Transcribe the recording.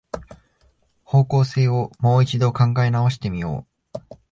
方向性をもう一度考え直してみよう